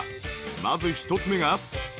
まず１つ目が。